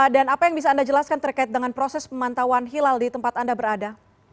dan apa yang bisa anda jelaskan terkait dengan proses pemantauan hilal di tempat anda berada